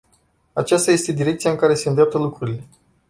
Aceasta este direcția în care se îndreaptă lucrurile.